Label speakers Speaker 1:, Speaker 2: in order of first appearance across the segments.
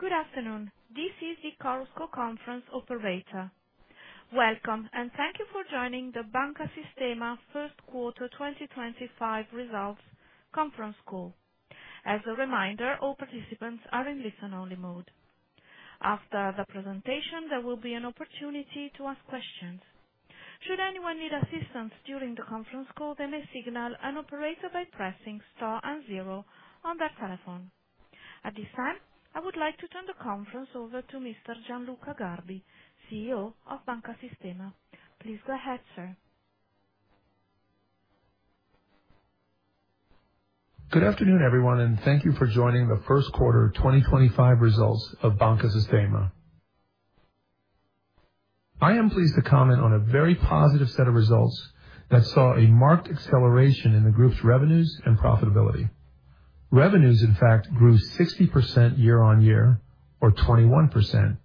Speaker 1: Good afternoon. This is the Chorus Call conference operator. Welcome, and thank you for joining the Banca Sistema first quarter 2025 Results Conference Call. As a reminder, all participants are in listen-only mode. After the presentation, there will be an opportunity to ask questions. Should anyone need assistance during the conference call, they may signal an operator by pressing Star and zero on their telephone. At this time, I would like to turn the conference over to Mr. Gianluca Garbi, CEO of Banca Sistema. Please go ahead, sir.
Speaker 2: Good afternoon, everyone, and thank you for joining the first quarter 2025 results of Banca Sistema. I am pleased to comment on a very positive set of results that saw a marked acceleration in the group's revenues and profitability. Revenues, in fact, grew 60% year-on-year, or 21%,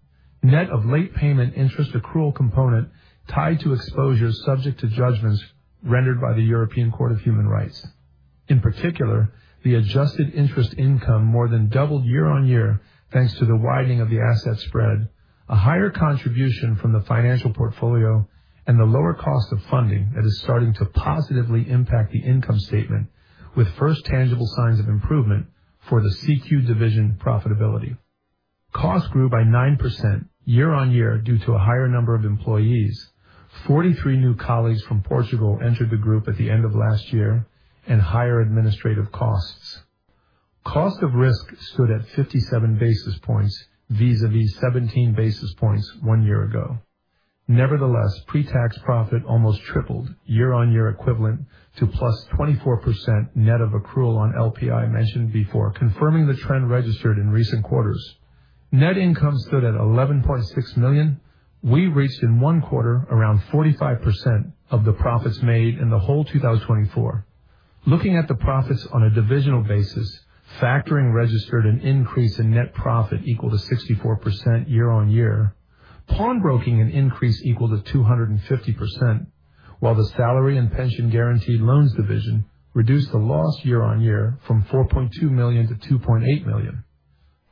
Speaker 2: net of late payment interest accrual component tied to exposures subject to judgments rendered by the European Court of Human Rights. In particular, the adjusted interest income more than doubled year-on-year, thanks to the widening of the asset spread, a higher contribution from the financial portfolio and the lower cost of funding that is starting to positively impact the income statement with first tangible signs of improvement for the CQ division profitability. Costs grew by 9% year-on-year due to a higher number of employees. 43 new colleagues from Portugal entered the group at the end of last year and higher administrative costs. Cost of risk stood at 57 basis points vis-à-vis 17 basis points one year ago. Nevertheless, pre-tax profit almost tripled year-on-year, equivalent to +24% net of accrual on LPI, mentioned before, confirming the trend registered in recent quarters. Net income stood at 11.6 million. We reached in one quarter, around 45% of the profits made in the whole 2024. Looking at the profits on a divisional basis, factoring registered an increase in net profit equal to 64% year-on-year. Pawnbroking an increase equal to 250%, while the salary and pension guaranteed loans division reduced the loss year-on-year from 4.2 million to 2.8 million.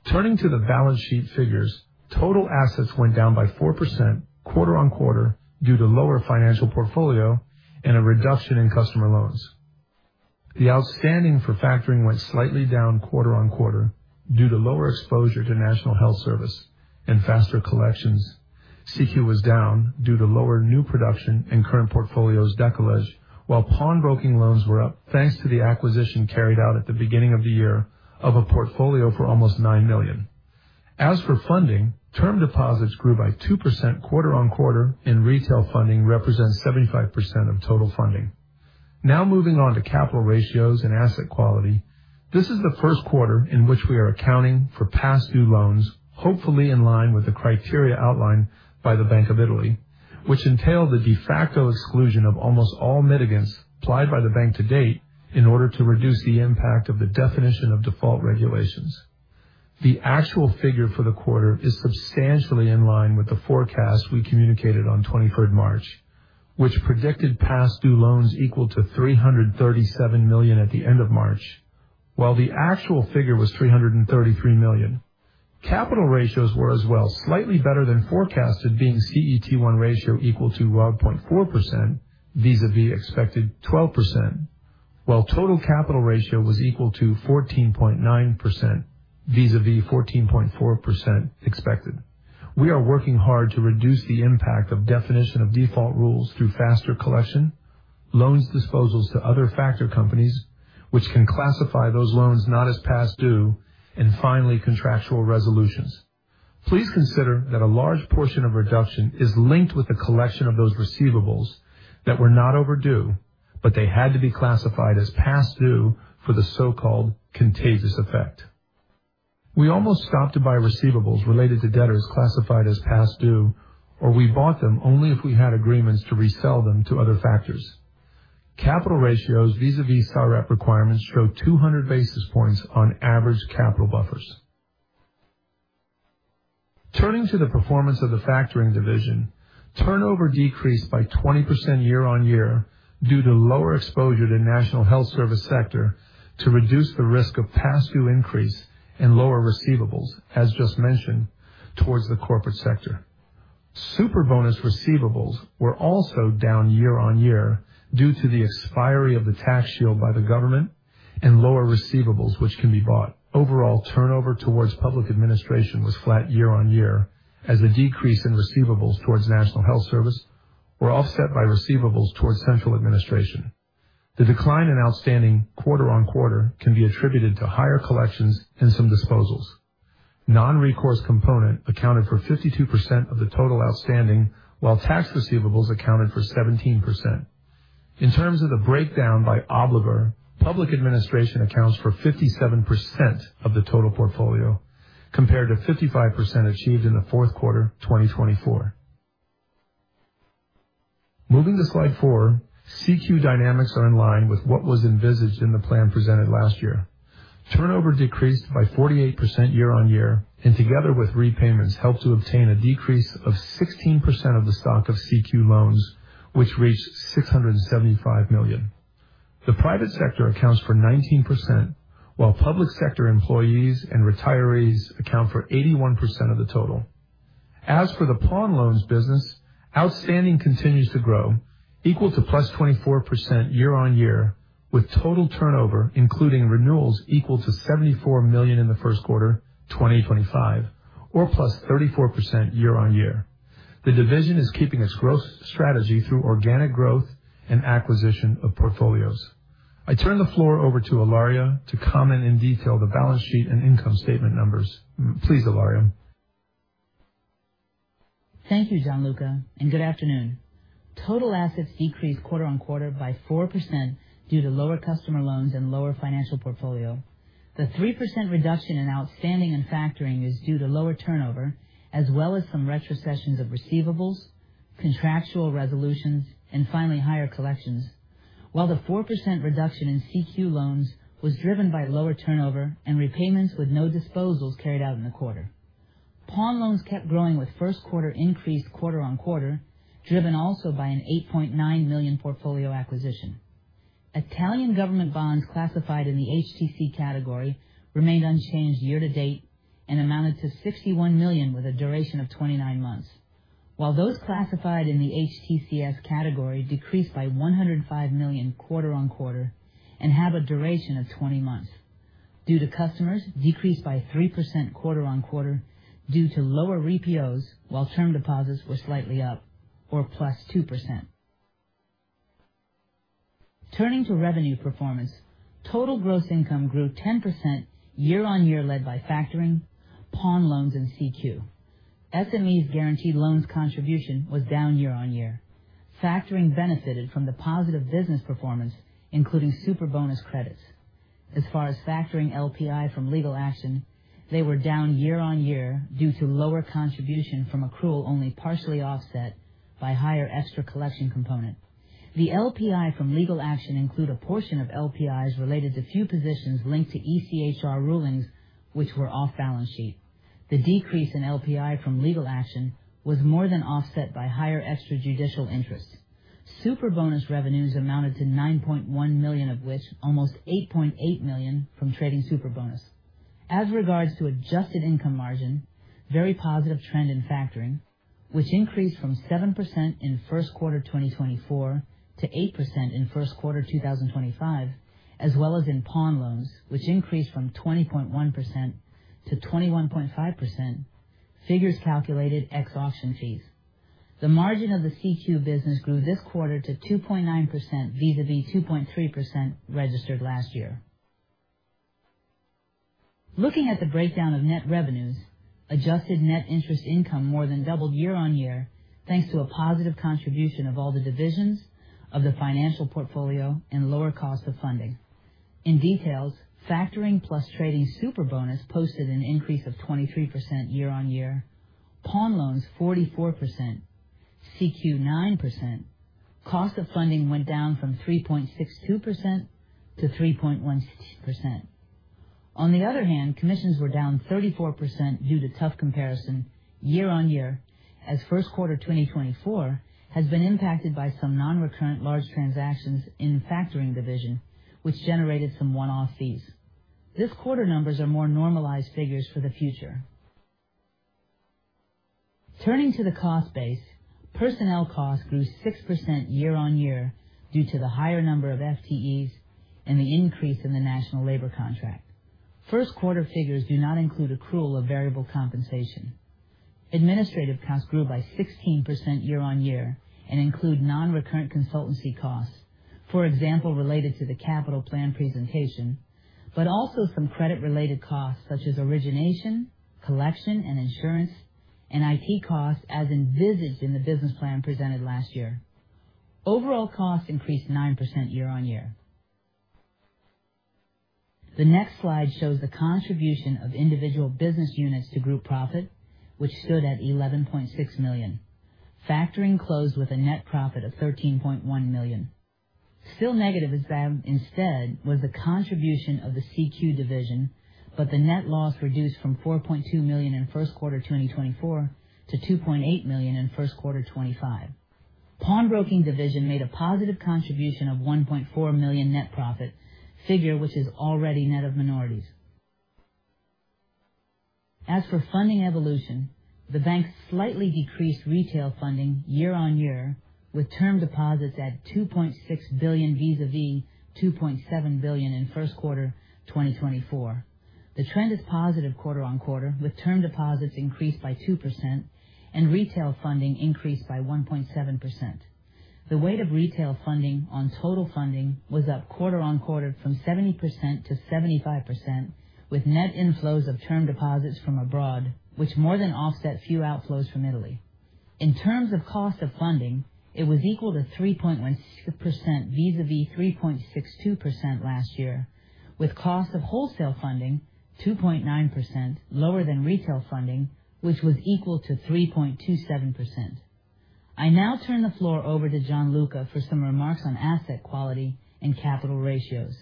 Speaker 2: Turning to the balance sheet figures, total assets went down by 4% quarter on quarter due to lower financial portfolio and a reduction in customer loans. The outstanding for factoring went slightly down quarter on quarter due to lower exposure to National Health Service and faster collections. CQ was down due to lower new production and current portfolio's decoulage, while pawnbroking loans were up, thanks to the acquisition carried out at the beginning of the year of a portfolio for almost 9 million. As for funding, term deposits grew by 2% quarter on quarter, and retail funding represents 75% of total funding. Now moving on to capital ratios and asset quality. This is the first quarter in which we are accounting for past due loans, hopefully in line with the criteria outlined by the Bank of Italy, which entail the de facto exclusion of almost all mitigants applied by the bank to date in order to reduce the impact of the definition of default regulations. The actual figure for the quarter is substantially in line with the forecast we communicated on March 23, which predicted past due loans equal to 337 million at the end of March, while the actual figure was 333 million. Capital ratios were as well, slightly better than forecasted, being CET1 ratio equal to 12.4% vis-à-vis expected 12%, while total capital ratio was equal to 14.9% vis-à-vis 14.4% expected. We are working hard to reduce the impact of Definition of Default rules through faster collection, loans disposals to other factor companies, which can classify those loans not as past due, and finally, contractual resolutions. Please consider that a large portion of reduction is linked with the collection of those receivables that were not overdue, but they had to be classified as past due for the so-called Contagious Effect. We almost stopped to buy receivables related to debtors classified as past due, or we bought them only if we had agreements to resell them to other factors. Capital ratios vis-à-vis SREP requirements show 200 basis points on average capital buffers. Turning to the performance of the factoring division, turnover decreased by 20% year-on-year due to lower exposure to National Health Service sector to reduce the risk of past due increase and lower receivables, as just mentioned, towards the corporate sector. Superbonus receivables were also down year-on-year due to the expiry of the Tax Shield by the government and lower receivables, which can be bought. Overall, turnover towards Public Administration was flat year-on-year, as the decrease in receivables towards National Health Service were offset by receivables towards central administration. The decline in outstanding quarter-on-quarter can be attributed to higher collections and some disposals. Non-recourse component accounted for 52% of the total outstanding, while tax receivables accounted for 17%. In terms of the breakdown by obligor, Public Administration accounts for 57% of the total portfolio, compared to 55% achieved in the fourth quarter of 2024. Moving to slide four, CQ dynamics are in line with what was envisaged in the plan presented last year. Turnover decreased by 48% year-on-year, and together with repayments, helped to obtain a decrease of 16% of the stock of CQ loans, which reached 675 million. The private sector accounts for 19%, while public sector employees and retirees account for 81% of the total. As for the pawn loans business, outstanding continues to grow, equal to +24% year-on-year, with total turnover, including renewals, equal to 74 million in the first quarter, 2025, or +34% year-on-year. The division is keeping its growth strategy through organic growth and acquisition of portfolios. I turn the floor over to Ilaria to comment in detail the balance sheet and income statement numbers. Please, Ilaria.
Speaker 3: Thank you, Gianluca, and good afternoon. Total assets decreased quarter-over-quarter by 4% due to lower customer loans and lower financial portfolio. The 3% reduction in outstanding and factoring is due to lower turnover, as well as some retrocessions of receivables, contractual resolutions, and finally, higher collections. While the 4% reduction in CQ loans was driven by lower turnover and repayments with no disposals carried out in the quarter. Pawn loans kept growing, with first quarter increased quarter-over-quarter, driven also by an 8.9 million portfolio acquisition. Italian government bonds classified in the HTC category remained unchanged year to date and amounted to 61 million, with a duration of 29 months. While those classified in the HTCS category decreased by 105 million quarter-over-quarter and have a duration of 20 months. Due to customers decreased by 3% quarter-on-quarter due to lower repos, while term deposits were slightly up or +2%. Turning to revenue performance, total gross income grew 10% year-on-year, led by factoring, pawn loans, and CQ. SMEs guaranteed loans contribution was down year-on-year. Factoring benefited from the positive business performance, including Superbonus credits. As far as factoring LPI from legal action, they were down year-on-year due to lower contribution from accrual, only partially offset by higher extra collection component. The LPI from legal action include a portion of LPIs related to few positions linked to ECHR rulings, which were off balance sheet. The decrease in LPI from legal action was more than offset by higher extra judicial interests. Superbonus revenues amounted to 9.1 million of which almost 8.8 million from trading Superbonus. As regards to adjusted income margin, very positive trend in factoring, which increased from 7% in first quarter 2024 to 8% in first quarter 2025, as well as in pawn loans, which increased from 20.1% to 21.5%. Figures calculated ex auction fees. The margin of the CQ business grew this quarter to 2.9% vis-à-vis 2.3% registered last year. Looking at the breakdown of net revenues, adjusted net interest income more than doubled year-on-year, thanks to a positive contribution of all the divisions of the financial portfolio and lower cost of funding. In details, factoring plus trading Superbonus posted an increase of 23% year-on-year. Pawn loans 44%, CQ 9%. Cost of funding went down from 3.62% to 3.16%. On the other hand, commissions were down 34% due to tough comparison year-on-year, as first quarter 2024 has been impacted by some non-recurrent large transactions in the factoring division, which generated some one-off fees. This quarter numbers are more normalized figures for the future. Turning to the cost base, personnel costs grew 6% year-on-year due to the higher number of FTEs and the increase in the National Labor Contract. First quarter figures do not include accrual of variable compensation. Administrative costs grew by 16% year-on-year and include non-recurrent consultancy costs, for example, related to the capital plan presentation, but also some credit-related costs, such as origination, collection, and insurance, and IT costs, as envisaged in the business plan presented last year. Overall costs increased 9% year-on-year. The next slide shows the contribution of individual business units to group profit, which stood at 11.6 million. Factoring closed with a net profit of 13.1 million. Still negative is instead was the contribution of the CQ division, but the net loss reduced from 4.2 million in first quarter 2024 to 2.8 million in first quarter 2025. Pawnbroking division made a positive contribution of 1.4 million net profit, figure which is already net of minorities. As for funding evolution, the bank slightly decreased retail funding year-on-year, with term deposits at 2.6 billion vis-a-vis 2.7 billion in first quarter 2024. The trend is positive quarter-on-quarter, with term deposits increased by 2% and retail funding increased by 1.7%. The weight of retail funding on total funding was up quarter-over-quarter from 70%-75%, with net inflows of term deposits from abroad, which more than offset few outflows from Italy. In terms of cost of funding, it was equal to 3.16% vis-à-vis 3.62% last year, with cost of wholesale funding 2.9% lower than retail funding, which was equal to 3.27%. I now turn the floor over to Gianluca for some remarks on asset quality and capital ratios.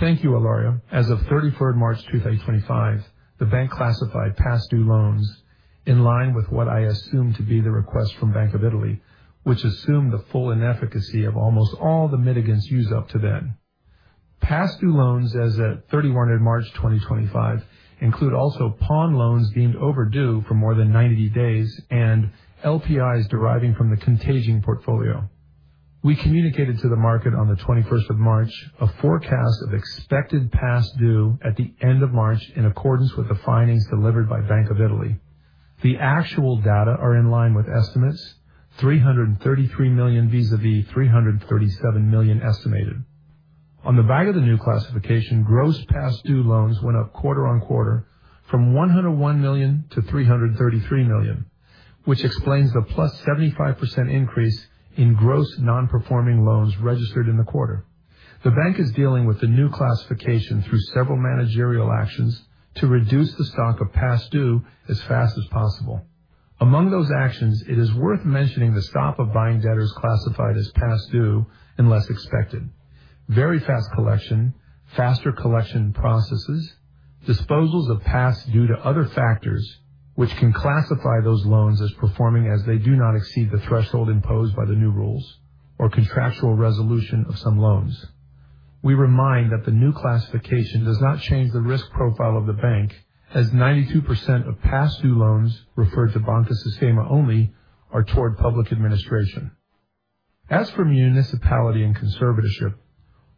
Speaker 2: Thank you, Ilaria. As of 31 March 2025, the bank classified past due loans in line with what I assumed to be the request from Bank of Italy, which assumed the full inefficacy of almost all the mitigants used up to then. Past due loans, as at 31 March 2025, include also pawn loans deemed overdue for more than 90 days, and LPIs deriving from the contagious portfolio. We communicated to the market on the 21 March, a forecast of expected past due at the end of March, in accordance with the findings delivered by Bank of Italy. The actual data are in line with estimates: 333 million vis-a-vis 337 million estimated. On the back of the new classification, gross past due loans went up quarter-on-quarter from 101 million to 333 million, which explains the plus 75% increase in gross non-performing loans registered in the quarter. The bank is dealing with the new classification through several managerial actions to reduce the stock of past due as fast as possible. Among those actions, it is worth mentioning the stop of buying debtors classified as past due, unless expected. Very fast collection, faster collection processes, disposals of past due to other factors, which can classify those loans as performing as they do not exceed the threshold imposed by the new rules or contractual resolution of some loans. We remind that the new classification does not change the risk profile of the bank, as 92% of past due loans referred to Banca Sistema only are toward Public Administration. As for municipality and conservatorship,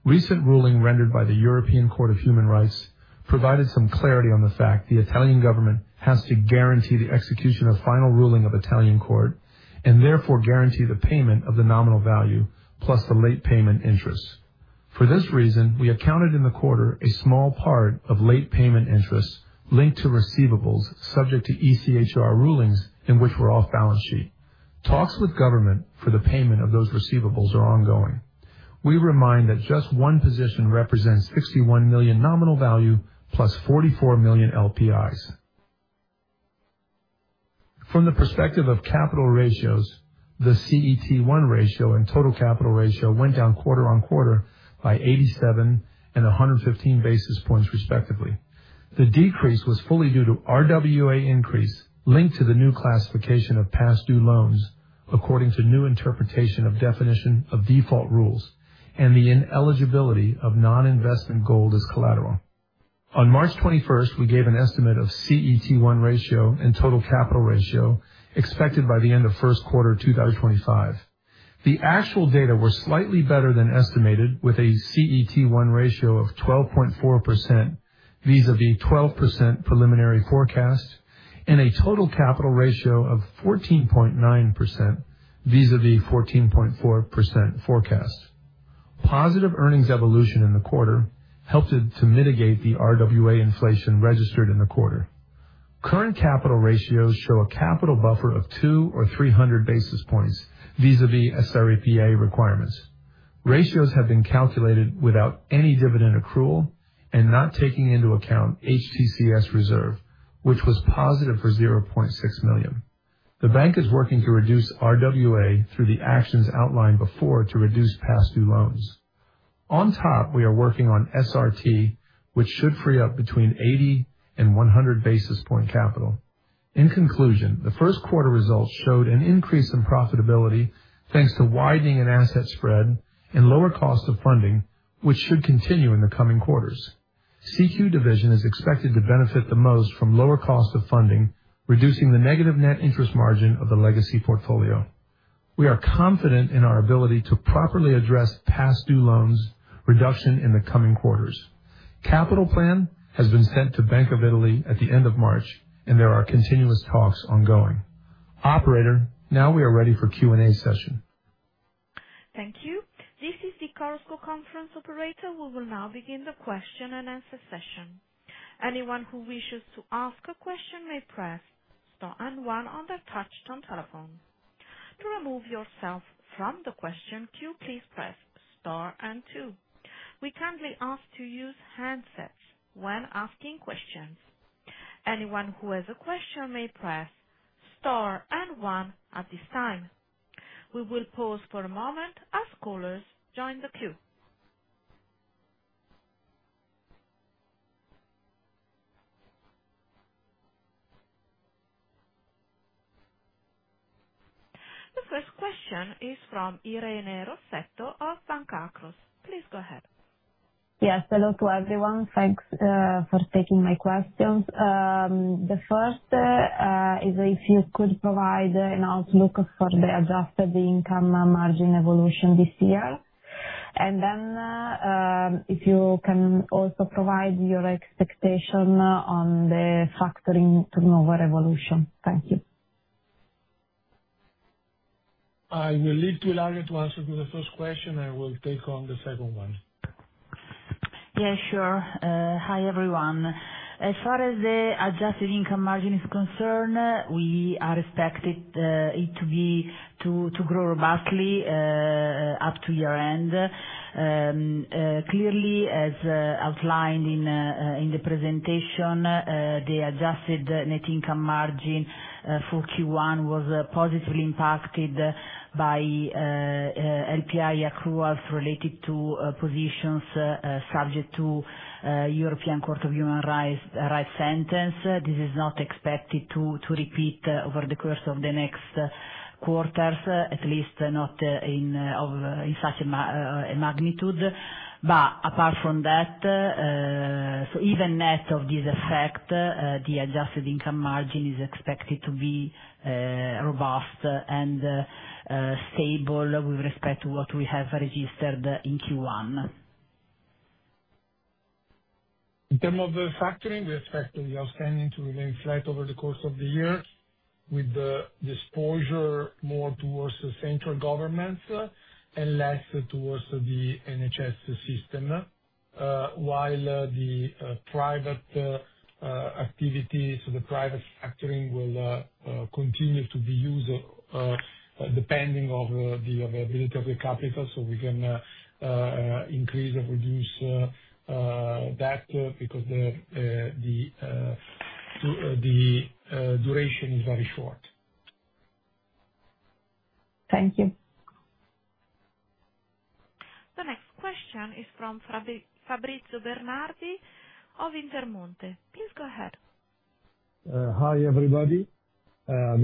Speaker 2: recent ruling rendered by the European Court of Human Rights provided some clarity on the fact the Italian government has to guarantee the execution of final ruling of Italian court, and therefore guarantee the payment of the nominal value, plus the late payment interest. For this reason, we accounted in the quarter a small part of late payment interests linked to receivables, subject to ECHR rulings in which we're off balance sheet. Talks with government for the payment of those receivables are ongoing. We remind that just one position represents 61 million nominal value plus 44 million LPIs. From the perspective of capital ratios, the CET1 ratio and total capital ratio went down quarter-on-quarter by 87 and 115 basis points, respectively. The decrease was fully due to RWA increase linked to the new classification of past due loans, according to new interpretation of definition of default rules and the ineligibility of non-investment gold as collateral. On March 21st, we gave an estimate of CET1 ratio and total capital ratio expected by the end of first quarter 2025. The actual data were slightly better than estimated, with a CET1 ratio of 12.4% vis-a-vis 12% preliminary forecast, and a total capital ratio of 14.9% vis-a-vis 14.4% forecast. Positive earnings evolution in the quarter helped it to mitigate the RWA inflation registered in the quarter. Current capital ratios show a capital buffer of 200 or 300 basis points vis-à-vis SREP requirements. Ratios have been calculated without any dividend accrual and not taking into account HTCS reserve, which was positive for 0.6 million. The bank is working to reduce RWA through the actions outlined before to reduce past due loans. On top, we are working on SRT, which should free up between 80 and 100 basis point capital. In conclusion, the first quarter results showed an increase in profitability, thanks to widening an asset spread and lower cost of funding, which should continue in the coming quarters. CQ division is expected to benefit the most from lower cost of funding, reducing the negative net interest margin of the legacy portfolio. We are confident in our ability to properly address past due loans reduction in the coming quarters. Capital Plan has been sent to Bank of Italy at the end of March, and there are continuous talks ongoing. Operator, now we are ready for Q&A session.
Speaker 1: Thank you. This is the Chorus Call conference operator. We will now begin the question-and-answer session. Anyone who wishes to ask a question may press star and one on their touchtone telephone. To remove yourself from the question queue, please press star and two. We kindly ask to use handsets when asking questions. Anyone who has a question may press star and one at this time. We will pause for a moment as callers join the queue. The first question is from Irene Rossetto of Banca Akros. Please go ahead.
Speaker 4: Yes, hello to everyone. Thanks for taking my questions. The first is if you could provide an outlook for the adjusted income margin evolution this year, and then if you can also provide your expectation on the factoring turnover evolution. Thank you.
Speaker 2: I will leave to Ilaria to answer to the first question. I will take on the second one.
Speaker 3: Yeah, sure. Hi, everyone. As far as the adjusted income margin is concerned, we expect it to grow vastly up to year-end. Clearly, as outlined in the presentation, the adjusted net income margin for Q1 was positively impacted by LPI accruals related to positions subject to European Court of Human Rights ruling. This is not expected to repeat over the course of the next quarters, at least not in such a magnitude. But apart from that, so even net of this effect, the adjusted income margin is expected to be robust and stable with respect to what we have registered in Q1.
Speaker 2: In terms of the factoring, we expect the outstanding to remain flat over the course of the year, with the exposure more towards the central governments and less towards the NHS system. While the private activities, the private factoring will continue to be used depending of the availability of the capital, so we can increase or reduce that because the duration is very short.
Speaker 4: Thank you.
Speaker 1: The next question is from Fabrizio Bernardi of Intermonte. Please go ahead.
Speaker 5: Hi, everybody. I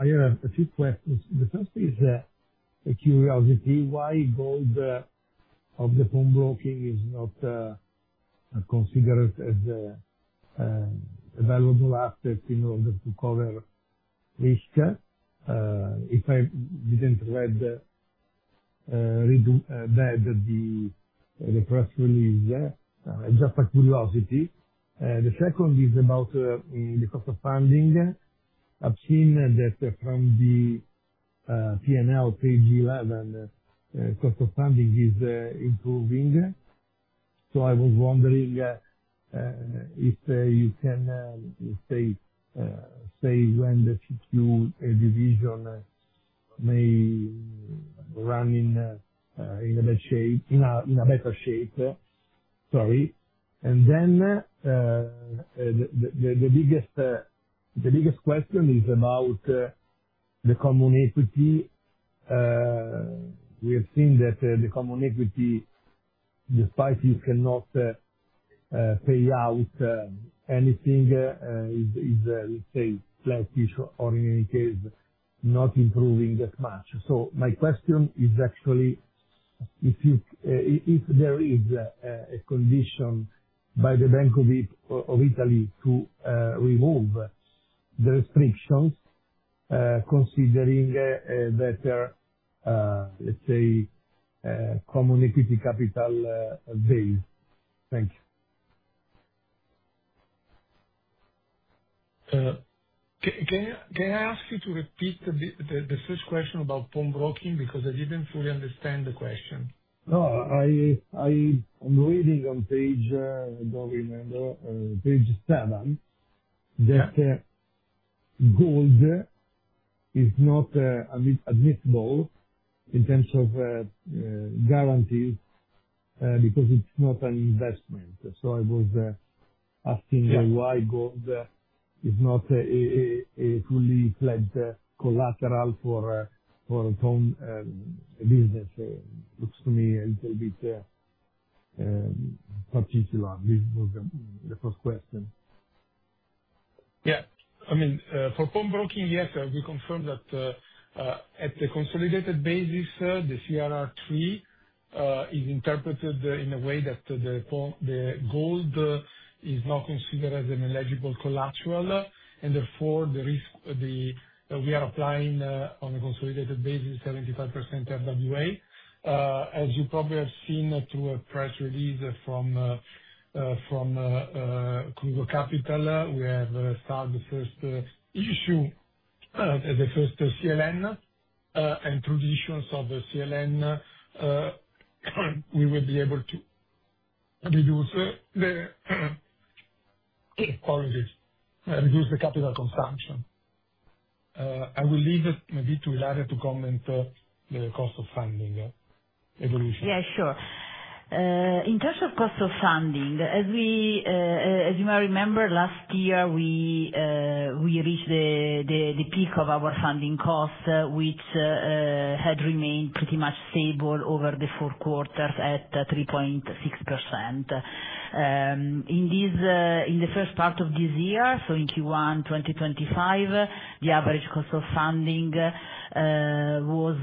Speaker 5: have a few questions. The first is a curiosity. Why gold of the pawnbroking is not considered as a valuable asset in order to cover risk? If I didn't read bad the press release, just a curiosity. The second is about the cost of funding. I've seen that from the P&L page 11, cost of funding is improving. So I was wondering if you can say when the CQ division may run in a better shape? Sorry. And then the biggest question is about the common equity. We have seen that the common equity, despite you cannot pay out anything, is let's say, flat-ish, or in any case, not improving that much. So my question is actually, if there is a condition by the Bank of Italy to remove the restrictions, considering that, let's say, common equity capital base. Thank you.
Speaker 2: Can I ask you to repeat the first question about pawnbroking? Because I didn't fully understand the question.
Speaker 5: No, I'm reading on page. I don't remember, page seven.
Speaker 2: Yeah.
Speaker 5: That gold is not admissible in terms of guarantee because it's not an investment. So I was asking why gold is not a fully fledged collateral for pawn business. Looks to me a little bit particular. This was the first question.
Speaker 2: Yeah. I mean, for pawn broking, yes, we confirm that at the consolidated basis, the CRR3 is interpreted in a way that the pawn, the gold, is not considered as an eligible collateral, and therefore, the risk, the, we are applying on a consolidated basis, 75% RWA. As you probably have seen through a press release from Kruso Kapital, we have started the first issue, the first CLN, and through the issues of the CLN, we will be able to reduce, apologies, reduce the capital consumption. I will leave it maybe to Ilaria to comment the cost of funding evolution.
Speaker 3: Yeah, sure. In terms of cost of funding, as we, as you may remember, last year, we reached the peak of our funding cost, which had remained pretty much stable over the four quarters at 3.6%. In the first part of this year, so in Q1 2025, the average cost of funding was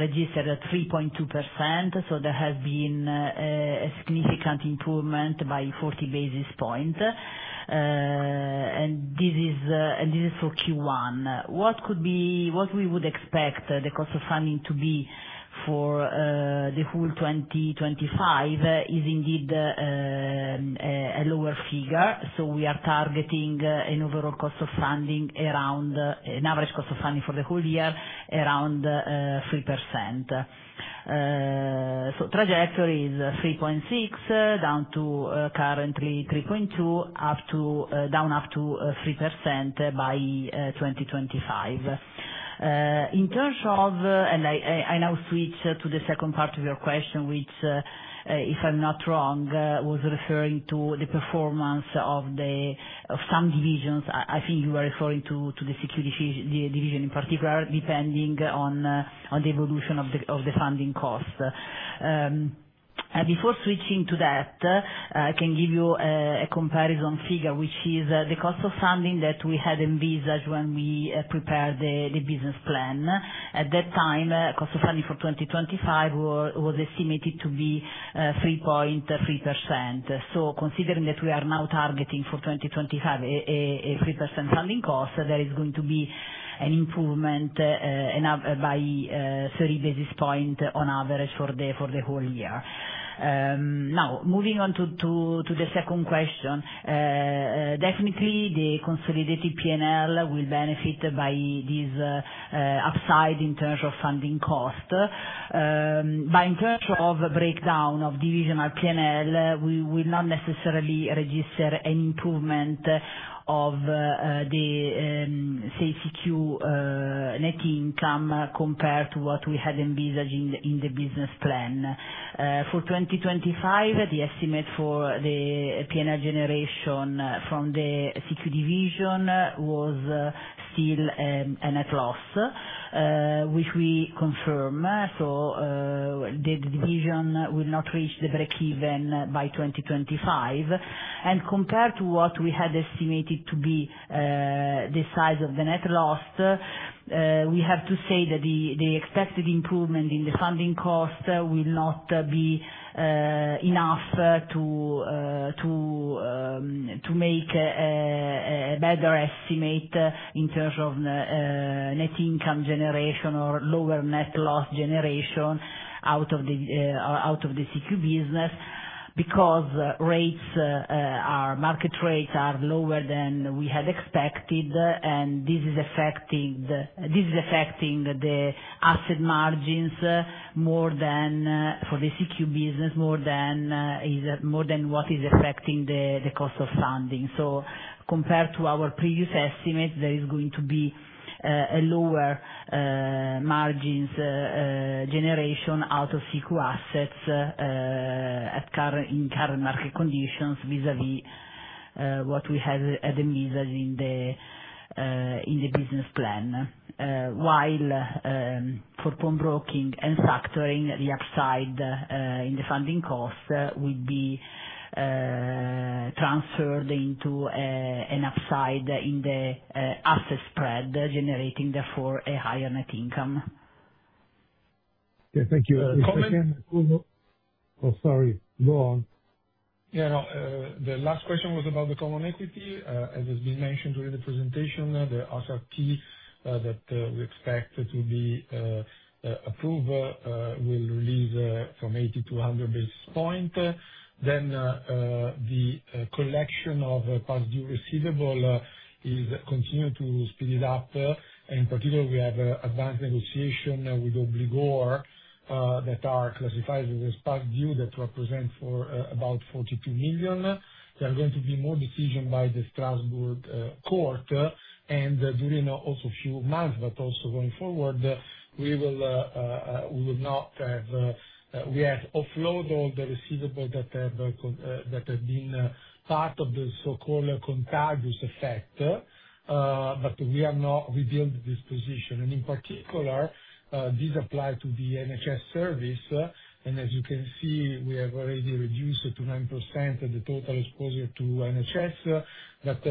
Speaker 3: registered at 3.2%, so there has been a significant improvement by 40 basis points. And this is for Q1. What we would expect the cost of funding to be for the whole 2025 is indeed a lower figure, so we are targeting an overall cost of funding around, an average cost of funding for the whole year, around 3%. So trajectory is 3.6, down to currently 3.2, up to down up to 3% by 2025. In terms of I now switch to the second part of your question, which, if I'm not wrong, was referring to the performance of the, of some divisions. I think you were referring to the security division in particular, depending on the evolution of the funding cost. Before switching to that, I can give you a comparison figure, which is the cost of funding that we had envisaged when we prepared the business plan. At that time, cost of funding for 2025 was estimated to be 3.3%. Considering that we are now targeting for 2025 a 3% funding cost, there is going to be an improvement by 30 basis points on average for the whole year. Now, moving on to the second question. Definitely the consolidated PNL will benefit by this upside in terms of funding cost. But in terms of breakdown of divisional PNL, we will not necessarily register an improvement of the say CQ net income, compared to what we had envisaged in the business plan. For 2025, the estimate for the PNL generation from the CQ division was still a net loss, which we confirm. So, the division will not reach the breakeven by 2025. Compared to what we had estimated to be the size of the net loss, we have to say that the expected improvement in the funding cost will not be enough to make a better estimate in terms of net income generation or lower net loss generation out of the CQ business. Because rates, our market rates are lower than we had expected, and this is affecting the asset margins more than, for the CQ business, more than what is affecting the cost of funding. So compared to our previous estimate, there is going to be a lower margins generation out of CQ assets in current market conditions vis-a-vis what we had envisaged in the business plan. While for broking and factoring, the upside in the funding cost will be transferred into an upside in the asset spread, generating therefore a higher net income.
Speaker 5: Yeah, thank you.
Speaker 2: A comment.
Speaker 5: Oh, sorry, go on.
Speaker 2: Yeah, no, the last question was about the common equity. As has been mentioned during the presentation, the SRT that we expect to be approved will release from 80 to 100 basis points. Then, the collection of past due receivable is continuing to speed up. In particular, we have advanced negotiation with obligor that are classified as past due, that represent for about 42 million. There are going to be more decision by the Strasbourg Court and during also few months, but also going forward, we will not have, we have offloaded all the receivable that have been part of the so-called contagious effect, but we are not rebuild this position. In particular, this apply to the SSN service, and as you can see, we have already reduced to 9% of the total exposure to SSN. But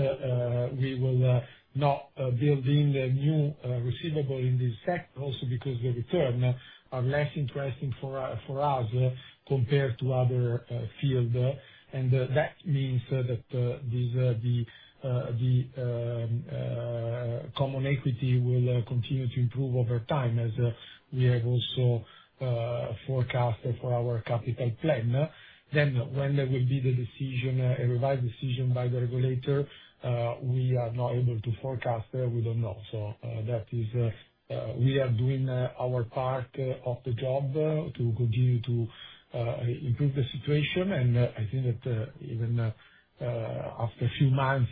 Speaker 2: we will not build in the new receivable in this sector also because the return are less interesting for us, compared to other field. That means that the common equity will continue to improve over time, as we have also forecasted for our Capital Plan. When there will be the decision, a revised decision by the regulator, we are not able to forecast. We don't know. That is, we are doing our part of the job to continue to improve the situation. I think that, even, after a few months,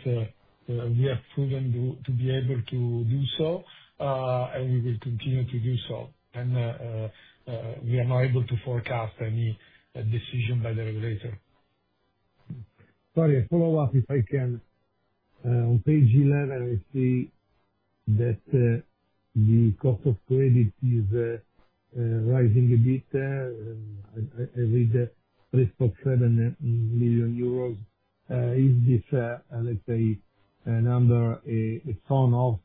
Speaker 2: we have proven to be able to do so, and we will continue to do so. We are not able to forecast any decision by the regulator.
Speaker 5: Sorry, a follow-up, if I can. On page 11, I see that the cost of risk is rising a bit. I read risk of 7 million euros. Is this, let's say, another a tone of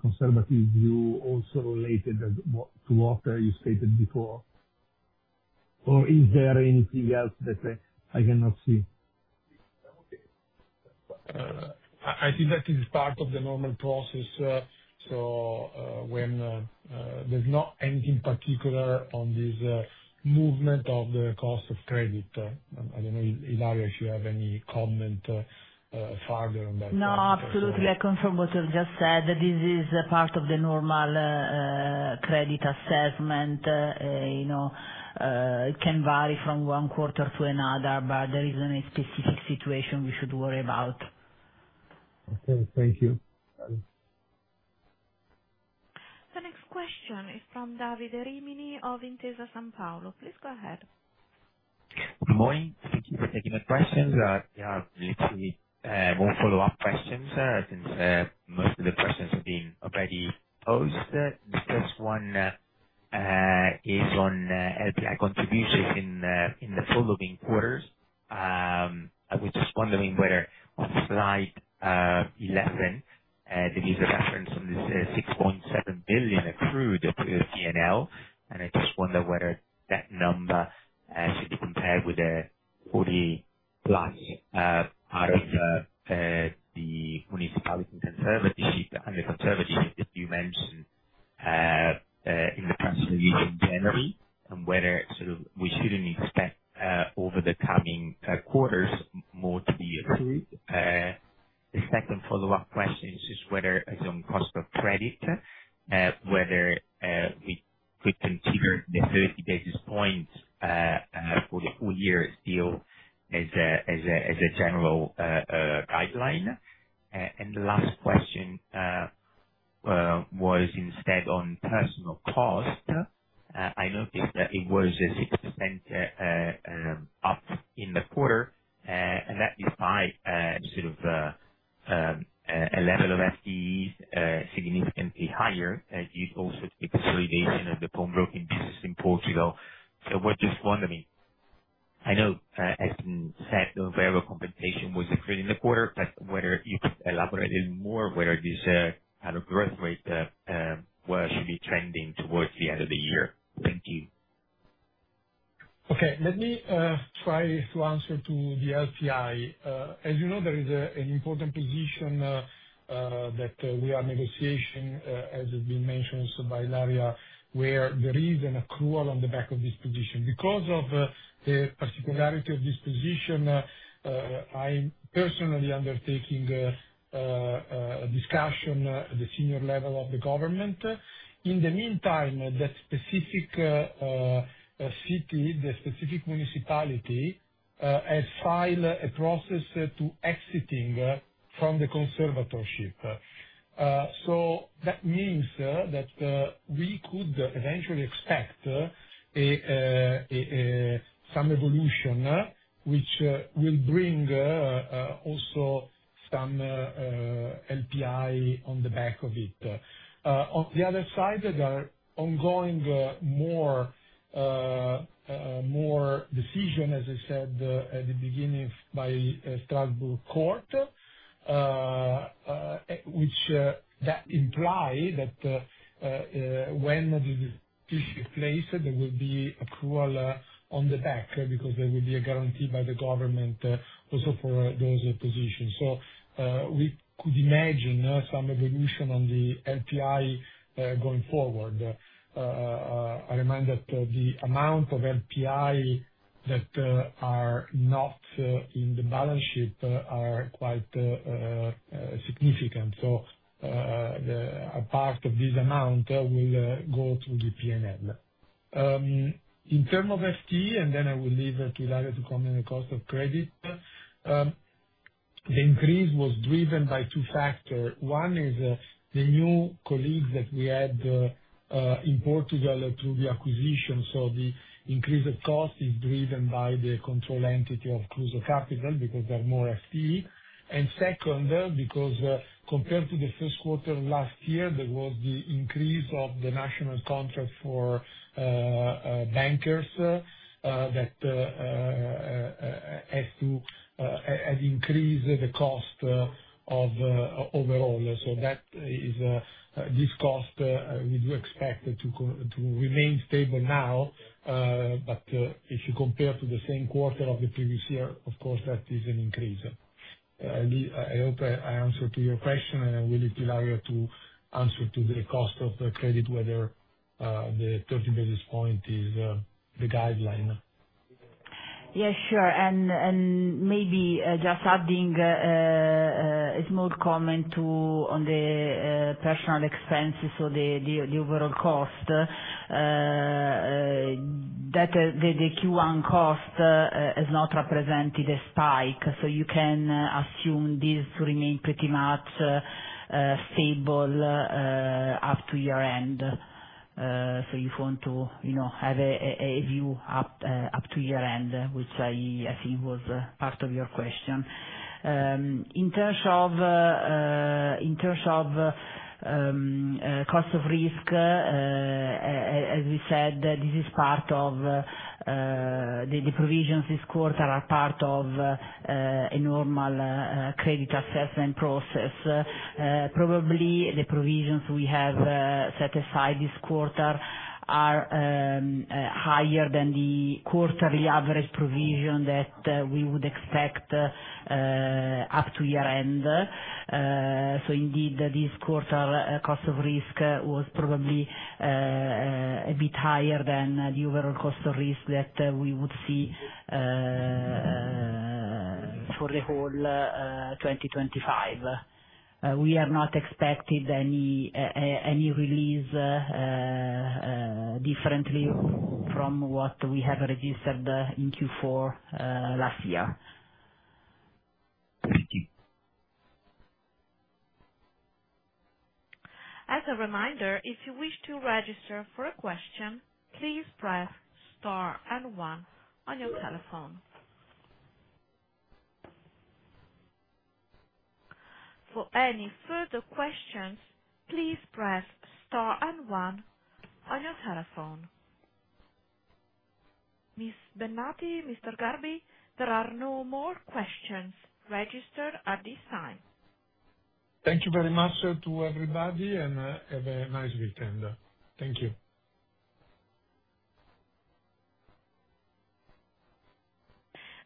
Speaker 5: conservative view also related to what you stated before? Or is there anything else that I cannot see?
Speaker 2: I think that is part of the normal process, so there's not anything particular on this movement of the cost of credit. I don't know, Ilaria, if you have any comment further on that?
Speaker 3: No, absolutely. I confirm what you have just said, that this is a part of the normal, credit assessment. You know, it can vary from one quarter to another, but there isn't any specific situation we should worry about.
Speaker 5: Okay. Thank you.
Speaker 1: The next question is from Davide Rimini of Intesa Sanpaolo. Please go ahead.
Speaker 6: Good morning. Thank you for taking the questions. Yeah, literally, one follow-up questions, since most of the questions have been already posed. The first one is on LPI contributions in the four moving quarters. I was just wondering whether on slide 11 there is a reference on this 6.7 billion accrued to PNL, and I just wonder whether that number should be compared with the 40+ part of the municipalities under conservatorship that you mentioned in the presentation generally, and whether sort of we shouldn't expect over the coming quarters more to be accrued. The second follow-up question is just whether it is on cost of risk, whether we could consider the 30 basis points for the full year still as a general guideline. And the last question was instead on personnel cost. I noticed that it was a 6% up in the quarter, and that despite sort of a level of FTEs significantly higher, due also to the consolidation of the pawn broking business in Portugal. So we're just wondering... I know, as has been said, the variable compensation was included in the quarter, but whether you could elaborate it more, whether this kind of growth rate where it should be trending towards the end of the year. Thank you.
Speaker 2: Okay. Let me try to answer to the LPI. As you know, there is an important position that we are negotiation, as has been mentioned also by Ilaria, where there is an accrual on the back of this position. Because of the particularity of this position, I'm personally undertaking a discussion at the senior level of the government. In the meantime, that specific city, the specific municipality, has filed a process to exiting from the conservatorship. So that means that we could eventually expect some evolution, which will bring also some LPI on the back of it. On the other side, there are ongoing more decisions, as I said at the beginning by Strasbourg court, which imply that when the decision takes place, there will be accrual on the back, because there will be a guarantee by the government also for those positions. So, we could imagine some evolution on the LPI going forward. I remind that the amount of LPI that are not in the balance sheet are quite significant. So, a part of this amount will go to the PNL. In terms of FTE, and then I will leave it to Ilaria to comment on the cost of credit. The increase was driven by two factors. One is the new colleagues that we had in Portugal through the acquisition. So the increase of cost is driven by the control entity of Kruso Kapital, because they're more FTE. And second, because compared to the first quarter of last year, there was the increase of the national contract for bankers that has increased the cost overall. So that is this cost we do expect it to go to remain stable now, but if you compare to the same quarter of the previous year, of course, that is an increase. I hope I answered to your question, and I will leave to Ilaria to answer to the cost of the credit, whether the 30 basis point is the guideline.
Speaker 3: Yeah, sure. And maybe just adding a small comment to on the personal expenses, so the overall cost that the Q1 cost has not represented a spike, so you can assume this to remain pretty much stable up to year-end. So if you want to, you know, have a view up to year-end, which I think was part of your question. In terms of cost of risk, as we said, this is part of the provisions this quarter are part of a normal credit assessment process. Probably the provisions we have set aside this quarter are higher than the quarterly average provision that we would expect up to year-end. So indeed, this quarter, cost of risk was probably a bit higher than the overall cost of risk that we would see for the whole 2025. We are not expected any any release differently from what we have registered in Q4 last year.
Speaker 6: Thank you.
Speaker 1: As a reminder, if you wish to register for a question, please press star and one on your telephone. For any further questions, please press star and one on your telephone. Ms. Bennati, Mr. Garbi, there are no more questions registered at this time.
Speaker 2: Thank you very much to everybody, and, have a nice weekend. Thank you.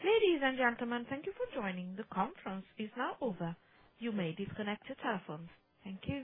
Speaker 1: Ladies and gentlemen, thank you for joining. The conference is now over. You may disconnect your telephones. Thank you.